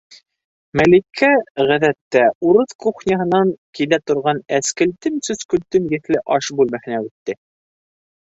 Мәликә, ғәҙәттә, урыҫ кухняһынан килә торған әскелтем- сөскөлтөм еҫле аш бүлмәһенә үтте: